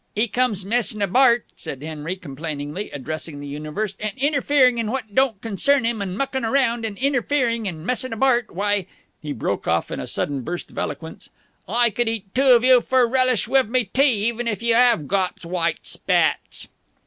"'E comes messing abart," said Henry complainingly, addressing the universe, "and interfering in what don't concern 'im and mucking around and interfering and messing abart.... Why," he broke off in a sudden burst of eloquence, "I could eat two of you for a relish wiv me tea, even if you 'ave got white spats!"